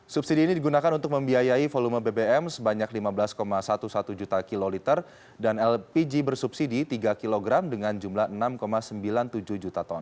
subsidi ini digunakan untuk membiayai volume bbm sebanyak lima belas sebelas juta kiloliter dan lpg bersubsidi tiga kg dengan jumlah enam sembilan puluh tujuh juta ton